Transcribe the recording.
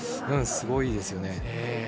すごいですよね。